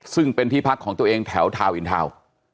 ซึ่งเป็นที่พักของตัวเองแถวทาวนอินทาวน์